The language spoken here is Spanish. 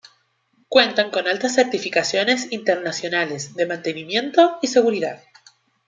Cuentan con altas certificaciones internacionales de mantenimiento y seguridad.